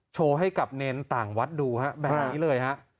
โชว์ให้กับเนรนด์อันต่างวัดดูแบบนี้เลยฮะ